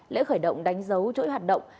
lễ khởi động đánh dấu chuỗi hoạt động